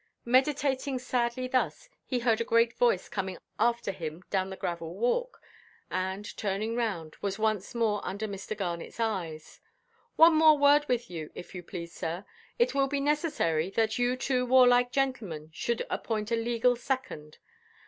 Meditating sadly thus, he heard a great voice coming after him down the gravel–walk, and, turning round, was once more under Mr. Garnetʼs eyes. "One more word with you, if you please, sir. It will be necessary that you two warlike gentlemen should appoint a legal second.